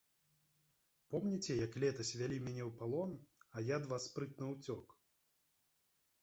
Помніце, як летась вялі мяне ў палон, а я ад вас спрытна ўцёк.